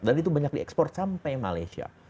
dan itu banyak diekspor sampai malaysia